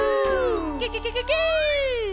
ケケケケケ。